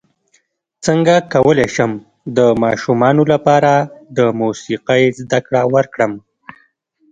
څنګه کولی شم د ماشومانو لپاره د موسیقۍ زدکړه ورکړم